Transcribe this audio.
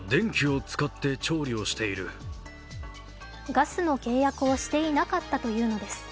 ガスの契約をしていなかったというのです。